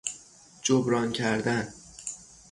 جبران کردن